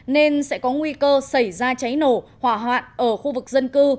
nên sẽ có nguy cơ xảy ra cháy nổ hỏa hoạn ở khu vực dân cư